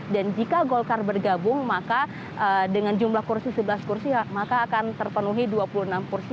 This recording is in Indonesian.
jika golkar bergabung maka dengan jumlah kursi sebelas kursi maka akan terpenuhi dua puluh enam kursi